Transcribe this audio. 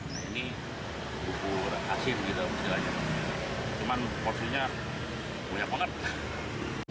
nah ini bubur asin gitu cuma porsinya banyak banget